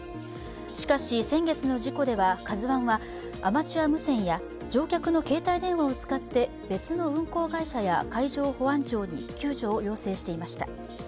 しかし先月の事故では「ＫＡＺＵⅠ」はアマチュア無線や乗客の携帯電話を使って別の運航会社や海上保安庁に救助を要請していました。